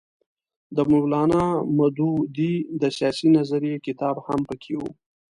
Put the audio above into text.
د مولانا مودودي د سیاسي نظریې کتاب هم پکې وو.